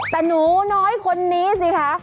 แต่หนูน้อยคนนี้สิคะ